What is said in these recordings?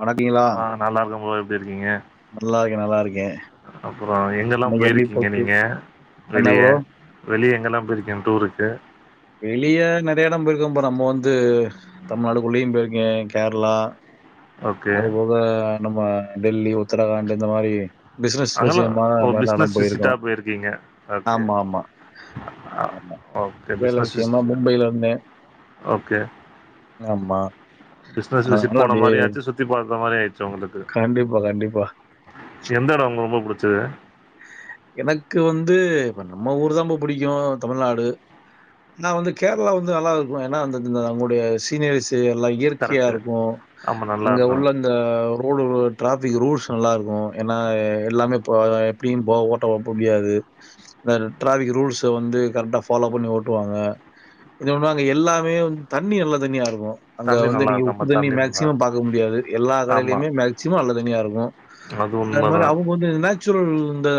வணக்கிங்களா நல்லாருக்கம் ப்ரோ எப்டி இருக்கீங்க? நல்லா இருக்கேன். அப்புறோ எங்கல்லாம் இன்னைக்கு எப்படி போயிருக்கீங்க போச்சு? நீங்க என்ன வெளிய? ப்ரோ? வெளிய எங்கெல்லாம் போயிருக்ங்க டூருக்கு? வெளியே நெறைய இடம் போயிருக்கேப்ப நம்ம வந்து தமிழ்நாட்டுக்குள்ளேயும் போயிருக்கே கேரளா ஓகே. அது போக நம்ம டெல்லி உத்தரகாண்ட் இந்த மாரி பிசினஸ் அங்கலாம் விஷயமா ஓ மேலாடம் பிசினஸ் போயிருக்கோ விசிட்டா போயிருக்கீங்க. ஓகே. ஆமா ஆமா அ ஆமா ஓகே. வேல பிசினஸ் விஷயமா விசிட் மும்பைல இருந்தே ஓகே ஆமா பிசினஸ் விசிட் அதனால போன அப்படியே மாரி ஆச்சு சுத்தி பாக்குற மாரி ஆச்சு உங்களுக்கு கண்டிப்பா கண்டிப்பா எந்த இடம் உங்க ரொம்ப புடிச்சது எனக்கு வந்து இப்ப நம்ம ஊரு தா ரொம்ப புடிக்கு தமிழ்நாடு நா வந்து கேரளா வந்து நல்லா இருக்கு ஏன்னா அந்த அவங்களுடைய சீனரீஸ் இதெல்லா இயற்கையா கரெக்ட்டு. இருக்கு ஆமா நல்லா அங்க இருக்கும். உள்ளங்க இந்த ரோடு டிராஃபிக் ரூல்ஸ் நல்லா இருக்கு ஏன்னா எல்லாமே இப்போ பீம் போ ஓட்ட போ முடியாது இந்த ட்ரஃபிக் ரூல்ஸ வந்து கரெக்டா ஃபாலோ பண்ணி ஓட்டுவாங்க இன்னு ஒண்ணு அங்க எல்லாமே வந்து தண்ணி நல்ல தண்ணியா இருக்கு அங்க தண்ணி வந்து நல்லா நீங்க இருக்கும். உப்பு ஆமா தண்ணி நல்லா இருக்கும். மேக்சிமம் பாக்க முடியாது எல்லா ஆமா. கடையிலயுமே மேக்சிமம் நல்ல தண்ணியா இருக்கு அது மாரி அவுங்க வந்து நேச்சுரல் இந்த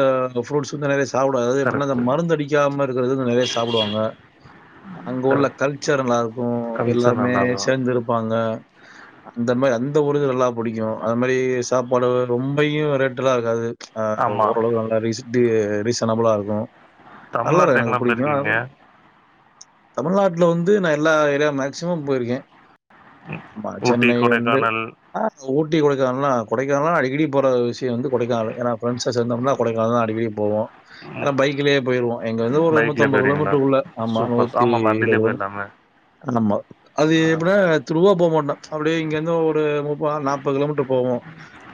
ப்ரூட்ஸ் வந்து நறைய சாப்டாதது எப்படின்னா அந்த கரெக்ட்டு, மருந்து அடிக்காம இருக்குறது வந்து நெறைய சாப்புடுவாங்க அங்க உள்ள கரெக்ட். கல்ச்சர் நல்லா இருக்கு கல்ச்சர் எல்லாருமே நல்லா இருக்கும். சேர்ந்து இருப்பாங்க அந்த மாரி அந்த ஊருதா நல்லா புடிக்கு அந்த மாரி சாப்பாடு ரொம்பையு ரேட்டு எல்லா இருக்காது ஆமா. ஓரளவு நல்லா ரீச ரீசனபுளா இருக்கு நல்லா இருக்கு தமிழ்நாட்டுல எனக்கு எங்கலாம் புடிக்கு போயிருக்கீங்க? தமிழ்நாட்டுல வந்து நா எல்லா ஏரியா மேக்சிமம் போயிருக்கே ஆமா ஊட்டி, சென்னை வந்து கொடைக்கானல் ஆ ஊட்டி கொடைக்கானல் கொடைக்கால்ல அடிக்கடி போற விஷய வந்து கொடைக்கானல் ஏன்னா ஃப்ரெண்ட்ஸ் சேந்தோம்னா கொடைக்கானல் தா அடிக்கடி போவோ ஏன்னா ம் பைக்லேயே போயிருவோ இங்க வந்து ஒரு பைக்லயே நூத்தம்பது போயிருவீங்களா கிலோமீட்டர் உள்ள ஆமா சூப்பர் நூத்தி ஆமா வண்டிலயே இருபது வரும் போயிடலாமே ஆமா அது ஆ எப்படின்னா திருவா போ மாட்டோ அப்டியே இங்க இருந்து ஒரு ஒரு முப்பது நாற்பது கிலோமீட்டர் போவோ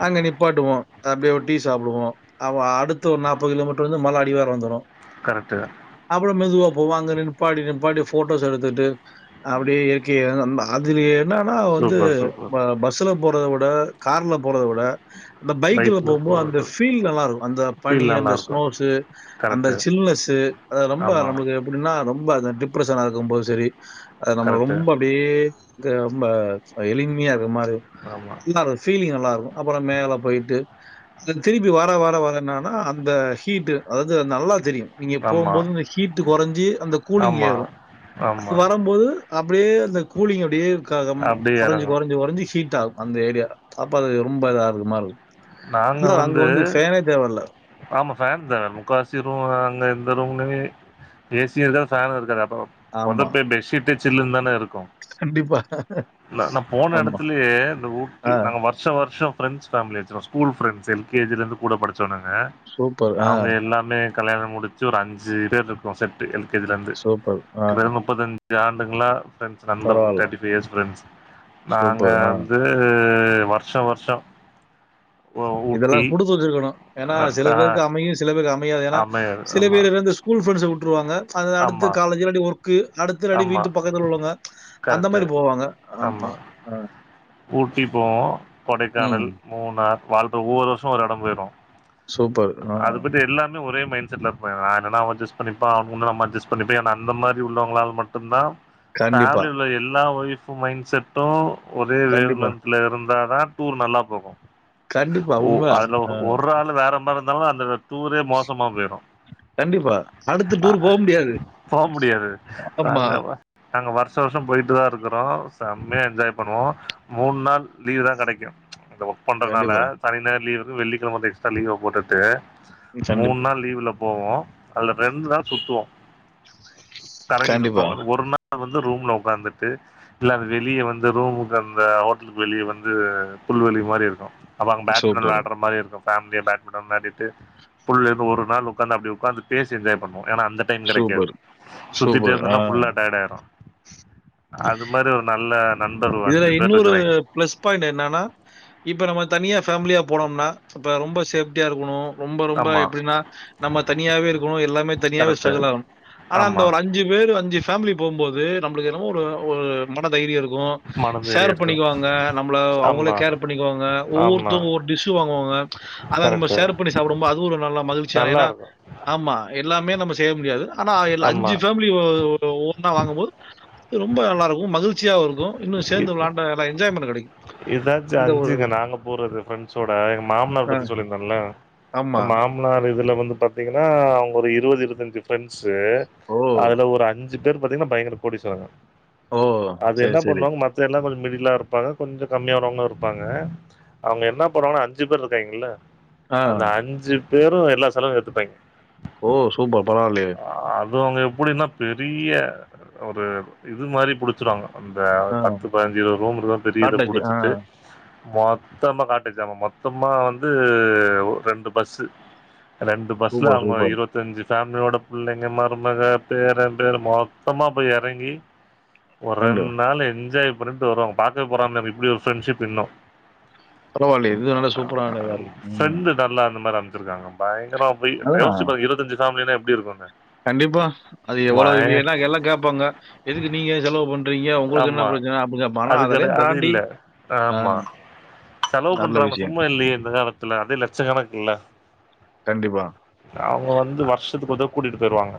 அங்க நிப்பாட்டுவோ அப்டியே ஒரு டீ சாப்டுவோ அமா அடுத்த ஒரு நாற்பது கிலோ மீட்டர்ல இருந்து மல அடி வாரோ வந்துடு கரெக்ட்டு அப்புற மெதுவா போவோ அங்கன நிப்பாட்டி நிப்பாட்டி போட்டோஸ் எடுத்துட்டு அப்டியே இயற்கைய அந்த அதுல என்னன்னா வந்து சூப்பர் சூப்பர் பஸ்ஸுல போறத விட கார்ல போறத விட அந்த பைக்ல போம்போ அந்த ஃபீல் நல்லா இருக்கு அந்த பனி ஃபீல் நல்லா அந்த இருக்கு ஸ்னோஸ்ஸு அந்த கரெக்ட்டு சில்னஸ்ஸு அத ரொம்ப ஆமா நம்ளுக்கு எப்டின்னா ரொம்ப அந்த டிப்ரஷன் ஆகும் போது சரி அத நம்ம கரெக்ட்டு ரொம்ப அப்டியே ரொம்ப எளிமையா இருக்க மாரி ஆமா பீலிங் நல்லா இருக்கு அப்புற மேல போயிட்டு அது திருப்பி வர வர வர என்னன்னா அந்த ஹீட்டு அதாது நல்லா தெரியு நீங்க ஆமா போம்போது இந்த ஹீட்டு குறஞ்சி அந்த கூலிங் ஆமா ஏறு அது ஆமா வரம்போது அப்டியே அந்த கூலிங் அப்டியே இருக்க அப்டியே குறஞ்சி எறங்கு குறஞ்சி குறஞ்சி ஹீட் ஆகு அந்த ஏரியா அப்ப அது ரொம்ப இதா இருக்க மாரி இருக்கு அ அங்க வந்து ஃபேனே தேவ இல்ல ஆமா ஃபேன் தேவல்ல முக்காவசி ரூம் அங்க எந்த ரூம்லுமே ஏசி எது ஃபேனு இருக்காது அப்பப் ஆமா. ஒதப்பே பெட்ஷீட்டே சில்லுன்தான இருக்கு கண்டிப்பா. நா நாப் போன ஆமா. எடத்துலியே இந்த ஊட்டி ஆ நாங்க வர்ஷ் ஷ வர்ஷ ஃப்ரெண்ட்ஸ் ஃபேமிலி வச்ருவோ ஸ்கூல் ஃப்ரெண்ட்ஸ் எல் கே ஜிலந்து கூட படிச்சவனுங்க சூப்பர். ஆ அவுங்க எல்லாமே கல்யாணம் முடிச்சு ஒரு அஞ்சு பேர் இருக்கு செட் டு எல் கே ஜிலந்து சூப்பர். ஆ கடந்த முப்பத்தஞ்சு ஆண்டுகளா ஃப்ரெண்ட்ஸ் நண்பர்கள் பரவால்ல. தேர்ட்டி ஃபைவ் இயர்ஸ் ஃப்ரெண்ட்ஸ் நாங்க சூப்பர். ஆ. வந்து வர்ஷ வர்ஷ இதலா குடுத்து வச்சிருக்கணு ஏனா அ சில ஆ பேருக்கு அமையு சில பேருக்கு அமையாது ஏனா அமையர் சில ஆமா பேருருந்துச் ஸூல் ஃப்ரெண்ட்ஸ வுட்ருவாங்க அது அடுத்து ஆமா காலேஜ்ல அடி ஒரு க்கு அடுத்த நடி ஆமா வீட்டு பக்கத்துல உள்ளவங்க அந்த கரெக்ட்டு மாரி போவாங்க ஆமா ஆ ஊட்டி போவோ கொடைக்கானல், ம். மூனார் வாழ்த்த ஒவ்வொரு வர்ஷ ஒரு எட போய்டுவோ சூப்பர். ஆ. அது பத்தி எல்லாம் னு ஒரே மைண்ட் செட்ல இருப்பே நா என்னனா அவ அட்ஜஸ் பண்ணிப்பா அவன் முன்ன நம்ம அட்ஜஸ் பண்ணிப்ப என்ன அந்த மாரி உள்ளவங்ளால் மட்டுந்தா கண்டிப்பா, ஃபேமிலி உள்ள எல்லா ஒய்ஃபு மைண்ட் செட்டு ஒரே வேவ் கண்டிப்பா, லென்த் ல இருந்தாதா டூர் நல்லா போகு கண்டிப்பா. ஓ உண்ம. அதுல ஆ. ஒரு ஆளு வேற மாரி இருந்தாலு அந்த டூரே மோசமா போய்ரு கண்டிப்பா. அடுத்து அ டூர் போ முடியாது. போ முடியாது ஆமா. அங்கவ நாங்க வர்ஷ வர்ஷ போயிட்டுதா இருக்கறோ செம்மையா என்ஜாய்ப் பண்ணுவோ மூன் நாள் லீவ்தா கெடைக்கு அந்த ஒர்க் பண்றனால கண்டிப்பா, சனி ஞாயிறு லீவிரு வெள்ளிகெழம வந்து எக்ஸ்ட்ரா லீவ போட்டுட்டு மூன் கண்டிப்பா, நாள் லீவுலப் போவோ அதுல ரெண் நாள் சுத்துவோ கரங்கி சுத்துவோ கண்டிப்பா. ஒரு நாள் வந்து ரூம்ல உக்காந்துட்டு இல்ல வெளிய வந் து ரூமுக்கு அந்த ஹோட்டலுக்கு வெளிய வந்து புல்வெளி மாரி இருக்கு அப்ப அங்க பேட்மிடல் சூப்பர், விளாட்ற மாரி இருக்கு ஃபேமிலியா பேட்மிட்டன் விளாடிட்டு ஃபுல் இது ஒரு நாள் உக்காந்து அப்டி உக்காந்து பேசி என்ஜாய் பண்வோ ஏனா அந்தப் டைம் கெடைக்காது சூப்பர், சுத்திட்டே சூப்பர். ஆ. இருந்தனா ஃபுல்லா டயேடாயிரு அது மாரி ஒரு நல்ல நண்பர் ஒரு இதுல அஞ்சு பேர் இன்னொரு இருக்றேங்க ப்ளஸ் பாயிண்ட் என்னானா இப்போ நம்ம தனியா ஃபேமிலியா போனம்னா இப்போ ரொம்ப சேஃப்டியா இருக்கணு ரொம்ப ரொம்ப ஆமா எப்டினா நம்ம தனியாவே இருக்கணு எல்லாமே தனியாவே கரெக்ட்டு ஸ்ட்ரகல் ஆகணு ஆனா அந்த ஆமா ஒரு அஞ்சு பேரு அஞ்சு ஃபேமிலி போம்போது நம்ளுக்கு என்னமோ ஒரு மன தைரிய இருக்கு மனம் ஷேர் வெறியா இருக்கு பண்ணிகுவாங்க நம்ள அவுங்களே ஆமா கேர் பண்ணிகுவாங்க ஆமா ஒவ்வொருத்தவுங்க ஒவ்வொரு டிஷ்ஷு வாங்குவாங்க அதா நம்ம கரெக்ட்டு சேர் பண்ணி சாப்டம்போ அதுவு ஒரு நல்ல மகிழ்ச்சியானா நல்லா ஏனா இருக்கு ஆமா எல்லாமே நம்ம செய்ய முடியாது ஆனா எல் ஆமா அஞ்சு ஃபேம் மிலி ஒ ஒன்னா வாங்கும்போது ரொம்ப நல்லாருக்கு மகிழ்ச்சியாவு இருக்கு இன்னு சேந்து விளாண்ட ல என்ஜாய்மென்ட்டு கெடைக்கு இதாச்சு அஞ்சுங்க நாங்கப் போறது ஃப்ரெண்ட்ஸோட எங்க மாம்னார் அ பத்தி சொல்லிருந்தல்ல ஆமா. மாம்னார் இதல வந்து பாத்தீங்கனா அவுங்க ஒரு இருவது இருவத்தஞ்சுப் ஃப்ரெண்ட்ஸ்சு ஓ! அதுல ஒரு அஞ்சு பேர் பாத்தீங்னா பயங்கர கோடிஸ்வரங்க ஓ! அது சரி, என்னப் சரி. பண்ணுவாங்க மத்த எல்லா கொஞ்ச மிடிலா இருப்பாங்க கொஞ்ச கம்மியானவுங்க இருப்பாங்க அவுங்க என்னாப் பண்ணுவாங்கனா அஞ்சு பேர் ருக்காய்ங்கல்ல ஆ. அந்த அஞ்சு பேரு எல்லா செலவு ஏத்துப்பாய்ங்க ஓ சூப்பர் பரவால்லியே அது அவுங்க எப்டினா பெரிய ஒரு இது மாரி குடுத் ருவாங்க அந்த ஆ. பத்து பதினஞ்சு இருவது ரூம் இரு பெரிய இத காட்டேஜ் ஆ. புடிச்சிட்டு மொத்தமா காட்டேச்சாம மொத்தமா வந்து ரெண்டு ஒ பஸ்சு ரெண்டு பஸ்ல சூப்பர், அவுங்க சூப்பர். இருவத் தஞ்சு ஃபேமிலியோட புள்ளைங்க மருமக பேரே பேரு மொத்தமா போய் எறங்கி ஒரு கண்டிப்பா. ரெண்டு நாள் என்ஜாய் பண்ணிட்டு வருவாங்க பாக்கவே பொறாமையாருக்கு இப்புடி ஒரு ஃப்ரெண்ட்ஷிப் இன்னு பரவாயில்லையே! இது நல்ல சூப்பரான இதா இருக்கு. ம். ஃப்ரெண்டு நல்லா அந்த மாரி அமஞ்சுருக்காங்க பயங்கறமா போய் அதான் யோசிச்சு பாரு இருவத்தஞ்சு ஃபேமலினா எப்டி இருக்குனு கண்டிப்பா அது எவளோவு மெயினா எல்லா கேப்பாங்க எதுக்கு நீங்க செலவு பண்றீங்க உங்களுக்கு என்ன ப்ரச்சன அப்புடி அப் கெடையா அது இல்ல ஆமா செலவு நல்ல பண்றாங்க விஷயம். சும்மா இல்லையே இந்த காலத்துல அதே லட்சக்கணக்குல்ல கண்டிப்பா அவுங்க வந்து வர்ஷசத்துக்கு ஒரு தடவ கூட்டிட்டு போய்டுவாங்க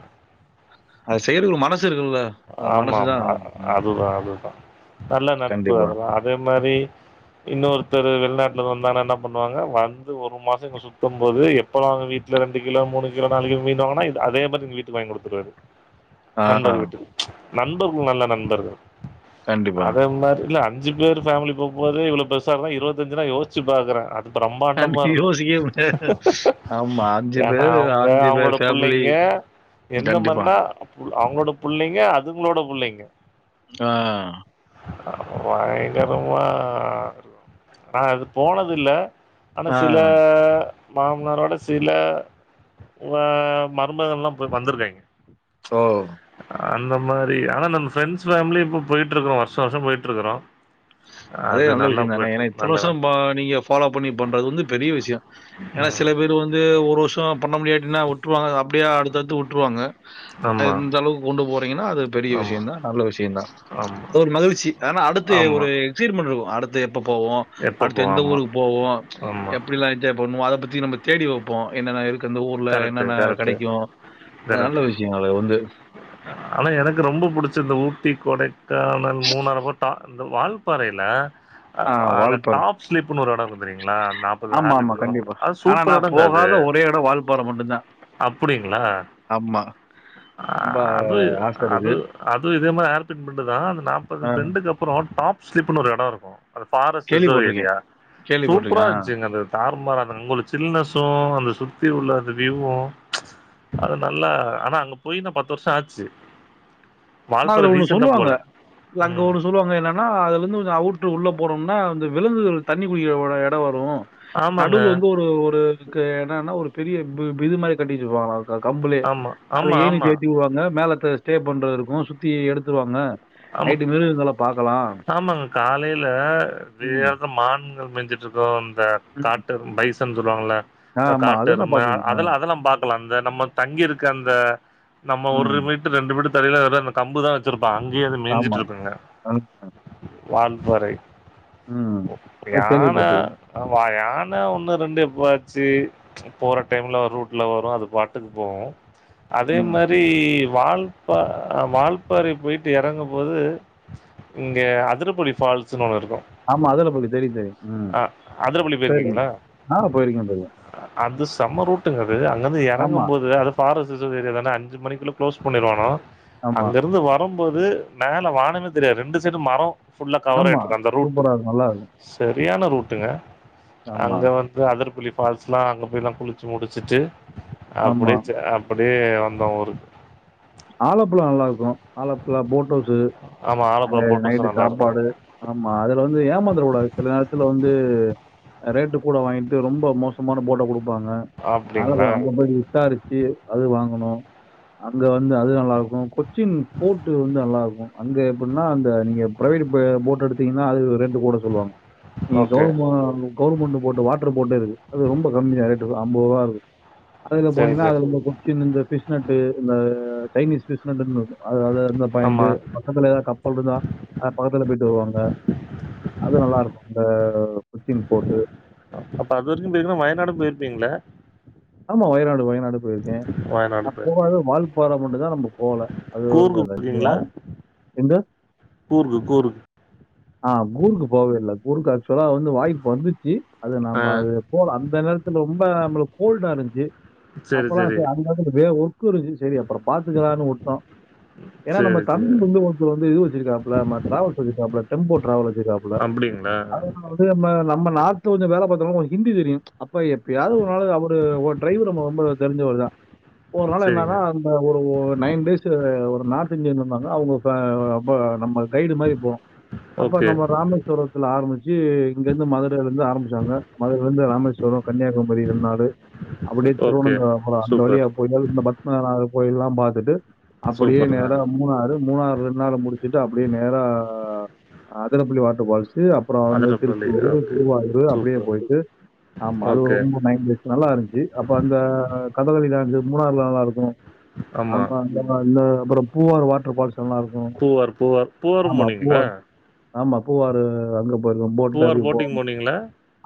அது செய்றதுக்கு ஒரு மனசு இருக்குல்ல. அந்த மனசு தான் ஆமாம்மா அ ம். அதுதா அதுதா நல்ல நட்பு கண்டிப்பா. அதல்லா அதே மாரி இன்னொருத்தர் வெளிநாட்ல இருந்து வந்தாங்கன்ன என்ன பண்ணுவாங்க வந்து ஒரு மாசோ இங்க சுத்தும் போது போலவாங்க வீட்டுல ரெண்டு கிலோ மூணு கிலோ நாலு கிலோ மீனு வாங்குனா அதே மாரி எங்க வீட்டுக்கு வாங்கி குடுத்துருவாரு ஆ. நண்பர் வீட்டுக்கு நண்பர்கள் நல்ல நண்பர்கள் கண்டிப்பா. அதே மாரி இல்ல அஞ்சு பேரு ஃபேமிலி போம்போதே இவ்ளோ பெருசான்னா இருவத்தஞ்சுனா யோசுச்சு பாக்குறே ப்ரம்மாண்டமா கண்டி இருக்கு யோசிக்கவே முடியாது. ஆமா. ஏன்னா பேரு அவுங்க பேர் அவுங்களோட ஃபேமிலி. புள்ளைங்க எந்த கண்டிப்பா. மாரினா அவுங்களோட புள்ளைங்க அதுங்களோட புள்ளைங்க அ ஆ பயங்கரமா நா அது போனதுல்ல ஆனா ஆ. சில மாமனாரோட சில ம மருமகள்லா போய் வந்துருக்காங்க ஓவ் அந்த மாரி ஆனா நம்ம ஃப்ரெண்ட்ஸ் ஃபேமிலி இப்ப போயிட்ருக்குறோ வருஷா வருஷோ போயிட்ருக்குறோ இருக்கறோம் அதே நல்ல விஷயந்தானே ஏன்னா இத்தன வருஷோ பா நீங்க ஃபாலோ பண்ணி பண்றது வந்து பெரிய விஷ்யோ ஏன்னா சில பேரு வந்து ஒரு வருஷோ பண்ண முடியாட்டினா உட்ருவாங்க அது அப்டியே அடுத்தடுத்து உட்ருவாங்க ம் அத ஆமா இந்த அளவுக்கு கொண்டு போறீங்கன்னா அது பெரிய ஆமா விஷயந்தா நல்ல விஷயந்தா ஆமா அது ஒரு மகிழ்ச்சி ஆனா அடுத்து ஆமா ஒரு எக்சைட்மென்ட் இருக்கு அடுத்து எப்ப போவோ எப்போ அடுத்து போவோம் எந்த ஆமா ஊருக்கு போவோ ஆமா எப்டி எல்லா என்ஜாய் பண்ணுவோ அத பத்தி நம்ம தேடி வப்போ என்னன்ன இருக் க்கு அந்த ஊர்ல கரெக்டு என்னென்ன கரெக்டு கெடைக்கு அது நல்ல கரெக்டு விஷயொங்க அது வந்து ஆனா எனக்கு ரொம்ப புடுச்சது இந்த ஊட்டி கொடைக்கானல் மூணார் போட்டோ அந்த வாழ்பாறையில ஆ அந்த வால்பாறை. டாப் ஸ்லிப்னு ஒரு எடோ இருக்கு தெரியுங்களா நாப்பது ஹெபிட் ஆமாமா. பண்ணுனோ கண்டிப்பா. அது ஆனா சூப்பரா இருக் நான் போகாத ஒரே எடோ வாழ்பாற மட்டுந்தா அப்புடிங்ளா அ ரொம்ப அது ஆசை அது இருக்கு. அதுவு இதே மாரி ஆர் பெட் மட்டுந்தா அந்த நாப்பது ஆ பெண்டுக்கு அப் அப்பறோ டாப் ஸ்லிப்னு ஒரு எடோ இருக்கு அது பாரஸ்ட்டு ரிசர்வ் கேள்விப்பட்டுருக்கேன், ஏரியா சூப்பரா கேள்விப்பட்டுருக்கேன். ஆ. இருந்துச்சுங்க அது தார்மாரா இருந்து ஒரு சின்ன சோ அந்த சுத்தி உள்ள அந்த வியூவும் அது நல்லா ஆனா அங்க போய்னா பத்து வருஷோ ஆச்சு வால்பாற அதுல ஒண்ணு ரீசெண்டா சொல்லுவாங்க போல இல்ல அங்க ம் ஒண்ணு சொல்லுவாங்க என்ன ஆனா அது வந்து கொஞ்சோ அவுட்ரு உள்ள போறோம்னா விலங்குகள் தண்ணி குடிக்கிற ஒரு எடோ வரு ஆமாங்க நடுவுல வந்து ஒரு ஒரு இருக்கு என்னன்னா ஒரு பெரிய பி பிது மாரி கட்டி வச்சுருப்பாங்களா அது அ கம்புளே ஆமா அத ஆமா ஏணிக்கு ஆமா ஏத்தி விடுவாங்க மேலத்தே ஸ்டே பண்றது இருக்கு சுத்தி எடுத்துருவாங்க ஆமாக் நைட்டு மிருகங்கள பார்க்கலாம். ஆமாங்க காலையில ம். வேத மான்கள் மேஞ்சுட் ருக்கு இந்த ம். காட்டு பைசன் சொல்லுவாங்கல ஆமா. அது நான் காட்டெருமை பார்த்துருக்கேன். ஆ. அதெல்லா அதெல்லா பாத் களா அந்த நம்ம தங்கி இருக்க அந்த நம்ம ஒரு ம். மீட் டர் ரெண்டு மீட்டர் தள்ளிதா எடோ அங்க கம்புதா வச்சிருப்பா அங்கயே அது மேஞ்சிட்டு ஆமா. இருக்குங்க அ. வால்பாறை ம். அது யான கேள்விப்பட்டுருக்கேன். ஆமா யானா ஒண்ணு ரெண்டு எப்பயாச்சு போற டைம்ல ரூட்ல வரு அது பாட்டுக்கு போகு அதே ம். மாரி வால்பா வால்பாறை போய்ட் டு எறங்கும் போது இங்க அதிரப்படி ஃபால்ஸ்னு ஒண்ணு இருக்கு ஆமா அதிரப்படி தெரியு தெரியு ம் அதிரப்பள்ளி போய்ருக்கே போயிருக்கீங்களா? நானு போய்ருக்கே போய்ருக்கே அது செம்ம ரூட்டுங்க அது அங்கர்ந்து ஆமா, எறங்கும் போது அது ஃபாரஸ்ட் ரிசர்ச்வு ஏரியா தான அஞ்சு மணிக்குள்ள க்ளோஸ் பண்ணிருவானுவோ ஆமா, அங்கருந்து வ வரம்போது மேல வானமே தெரியாது ரெண்டு சைடு மரோ ஃபுல்லா கவர் ஆமா. ஆயிட்ருக்கு அந்த ரூட்டு சூப்பரா இருக்கும். நல்லாருக்கும். சரியான ரூட்டுங்க ஆமா, அங்க வந் து அதரபள்ளி ஃபால்ஸ்ல்லா அங்க போயலா குளுச்சு முடுச்சுட்டு ஆமா. அப்டியே ச அப் அப்டியே வந்தோ ஊருக் ஆலப்புலா நல்லாருக்கு ஆலப்புலா போட் அவுஸ்ஸு ஆமா அங்க ஆலப்புழா போட் ஹவுஸும் நைட்டு நல்லாருக்கும். சாப்பாடு ஆமா அதுல வந்து ஏமாந்துரகூடாது சில நேரத்துல வந்து ரேட்டு கூட வாங்கிட்டு ரொம்ப மோசமான போட குடுப்பாங்க அப்டிங்களா? ஆலகுலா அங்க போய் விசாரிச்சு அது வாங்கணு அங்க வந்து அது நல்லாருக்கு கொச்சின் போர்ட்டு வந்து நல்லாருக்கு அங்க எப்பின்னா அந்த நீங்க பிரைவேடு ப போட் எடுத்தீங்கன்னா அது ரேட்டு கூட சொல்லுவாங்க நீ ஓகே. கவும கவுவர்மண்ட் போட்டு வாட்ட்ரு போட்டே இருக்கு அது ரொம்ப கம்மி தா ரேட்டு ஐம்பது ருவா இருக்கு அதுல சரி, போனீங்கன்னா சரி. அதுல இந்த கொச்சினு இந்த பிஷ் நட்டு் இந்த சைனீஸ் பிஷ் நட்டுன்னு இருக்கு அது அத இருந்த ஆமா. பாயிண்டு பக்கத்துல ஏதாது கப்பல் இருந்தா அது பக்கத்துல போய்ட்டு வருவாங்க அது நல்லாருக்கு அந்த கொச்சின் போர்டு அப்ப அது வரைக்கு போயிருந்தா வயநாடு போய்ருப்பீங்கள்ள ஆமா வயநாடு வயநாடு போய்ருக்கே வயநாடு நா போயிருக்கீங்க. போகாதது வால்பாற மட்டுந் தா நம்ம போகல அது கூர்கு [unintelligible] வால் எந்த கூரு கூரு ஆ கூருக்கு போவே இல்ல கூருக்கு ஆக்சுவலா வந்து வாய்ப்பு வந்துச்சு அது ஆ. நாம அது போல அந்த நேரத்துல ரொம்ப நம்மளுக்கு கோல்டா இருந்ச்சு அப்போல்லா சரி அந்த இதுல வேற ஒ ர்க்கு சரி அப்பறோ பாத்துக்கலான்னு வுட்டோ ஏன்னா நம்ம சரி, சரி. தம்பி வந்து ஒருத்தரு வந்து இது வச்சுருக்காப்ல ம டிராவல்ஸ் வச்சுருக்காப்ல டெம்போ ட்ராவல் வச்சுருக்காப்புல அப்டிங்ளா அது நா வந்து நம்ம நம்ம நார்த்து கொஞ்ச வேல பாத்தனால கொஞ்ச ஹிந்தி தெரியு அப்ப எப்பயாது ஒரு நாளு அவ ஒரு ஒரு டிரைவர் நம்ம ரொம்ப தெரிஞ்சவர் தா ஒரு நாள் சரிங்க. என்னான்னா அந் த ஒரு நைன் டேஸ்ஸு ஒரு நார்த் இண்டியன் வந்தாங்க அவ்ங்க ஃப ரொம்ம நம்ம கைடு மாரி போவோ அப்ப ஓகே, நம்ப ராமே ஸ்வரத்துல ஆரம்பிச்சு இங்கருந்து மதுரேல இருந்து ஆரம்பிச்சாங்க மதுரேல இருந்து ராமேஸ்வரோ கன்னியாகுமரி ரெண்ட்நாளு அப்டியே ஓகே. திருவனந்தபுரோ அந்த சூப்பர், வழியா போய்கள் இந்த பத்மநாத கோயில்லா பாத்துட்டு அப்டியே சூப்பருங்க. நேரா மூணாறு மூணாறு ரெண்டு நாளு மு முடுச்சுட்டு அப்டியே நேரா அதரப்பள்ளி வாட்டர் ஃபால்ஸ் து அப்பறோ வந்து அதிரப்பள்ளி திரிச்சூரு ஓகே, திருவாரூரு அப்டியே சூப்பர். போய்ட்டு ஆமா அது ஓகே. ரொம்ப நைன்து நல்லா இருந்ச்சு அப்ப அந்த கதகளி டான்சு மூணாற்ல நல்லாருக்கு ஆமா அந்த அப்பறோ அந்த அப்பறோ பூவாரூ வாட்டர் ஃபால்ஸு நல்லாருக்கு பூவார், பூவார், பூவாரும் ஆமா போனீங்களா? பூவாரு ஆமா பூவாரு அங்க போயிருக்கோம் போட்ல பூவார் அப்ப போட்டிங் போணு போனீங்களா?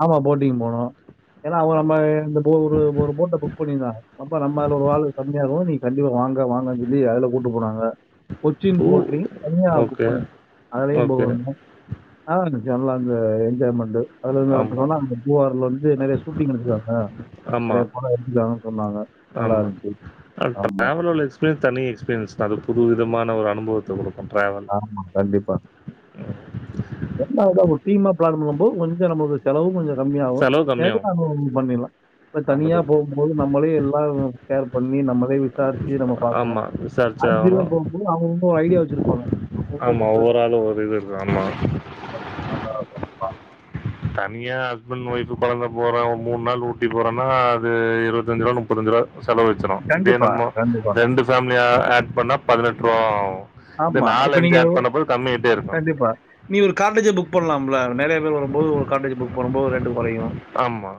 ஆமா போட்டிங் போனோ ஏன்னா அவ நம்ம இந்த போ ஒரு ஒரு போட்ட புக் பண்ணியிருந்தாங்க அப்ப நம்ம அதுல ஒரு வாழ் கம்மியாகும் நீங்க கண்டிப்பா வாங்க வாங்கன்னு சொல்லி அதுல கூட்டு போனாங்க கொச்சின் பூ போட்லயு தனியா புக் ஓகே, பண்ணு அதலயு ஓகே. போகனு ஆ [unintelligible] நல்லா அந்த என்ஜாய்மெண்ட் அதுல வந்து இந்த இப்ப ஆமா, சொன்னா அந்த பூவார்ல வந்து நிறைய ஷூட்டிங் எடுக்குறாங்க ஆமா நல்லா ஆமா இருந்துச்சு. அ ஆமா. ட்ராவெல்லோலெஸ் க்கு தனி எக்ஸ்பிரியன்ஸ் அது புது விதமான ஒரு அனுபவத்த கொடுக்கும் ட்ராவல் ஆமா கண்டிப்பா என்னா அதா ஒரு டீமா பிளான் பண்ணும்போது கொஞ்சோ நமக்கு செலவும் கொஞ்ச கம்மிய ஆவும் செலவு கம்மியாகும். ஏதுவான ரூம் பண்ணிலா இப்ப ஆமா, தனியா போவும்போது நம்மளே எல்லாம் கேர் பண்ணி நம்மளே விசாரிச்சு நம்ம பாக்கணு ஆமா. விசாரிச்சு அஞ்சு ஆகணும். பேர் போகும்போது அவுங்க ஒரு ஐடியா வச்சிருப்பாங்க அவங்கவங்க ஆமா ஒவ்வொரு ஆளும் ஒரு இது இருக்கும் ஆமா ஆமா ஆமா [unintelligible] தன்னியா ஹஸ்பண்ட் ஒய்ஃப் கொழந்த போற மூணு நாள் ஊட்டி போறன்னா அது இருவத்தஞ்சு ரூவா முப்பத்தஞ்சு ரூவா செலவு வச்சிரோ இதே கண்டிப்பா, நம்ம கண்டிப்பா. ரெண்டு ஃபேமிலியா ஆட் பண்ணா பதினெட்டு ரூவா ஆவு இந்த ஆமா. நாலு இப்ப அஞ்சு நீங்க ஆட் பண்ண போது கம்மி ஆய்ட்டே இருக்கு கண்டிப்பா. நீ ஒரு கார்டேஜே புக் பண்லாம்ல நெறைய பேர் வரும்போது ஒரு கார்டேஜ் புக் பண்ணுபோது ரென்டு குறையு ஆமா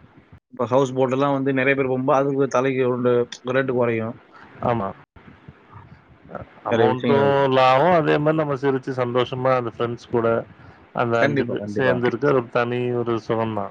இப்ப ஹவுஸ் போட் எல்லா வந்து நெறைய பேர் போகு போ அதுக்கு தலைக்கு உள்ள ரேட்டு குறையு ஆமா நிறைய அமௌன்டோ விஷயங்கள். லாவ்வோ அதே மாரி நம்ம சிரிச்சு சந்தோஷமா அந்த ஃப்ரெண்ட்ஸ் கூட அந்த அஞ்சு கண்டிப்பா, பேர் கண்டிப்பா. சேந்துருக்கு ஒரு தனி ஒரு சுகம் தா